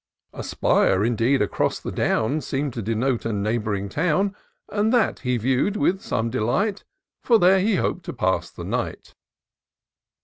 A spire, indeed, across the down, Seem'd to denote a neighb'ring town ; And that he view'd with some de%ht, For th^re he hop'd to pass the night.